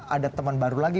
ada teman baru lagi